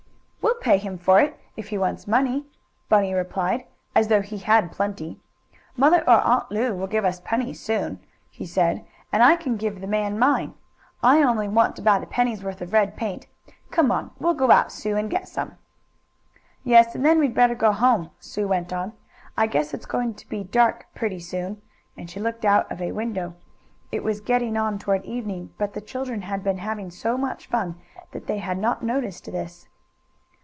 "We'll pay him for it, if he wants money," Bunny replied, as though he had plenty. "Mother or Aunt Lu will give us pennies soon," he said, "and I can give the man mine. I only want about a penny's worth of red paint Come on, we'll go out, Sue, and get some." "Yes, and then we'd better go home," Sue went on. "I guess it's going to be dark pretty soon," and she looked out of a window. It was getting on toward evening, but the children had been having so much fun that they had not noticed this.